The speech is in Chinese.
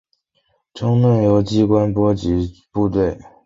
争论由机关波及部队。